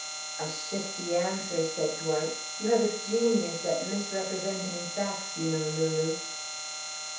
"A shifty answer," said Dwight. "You have a genius at misrepresenting facts, you know, Lulu."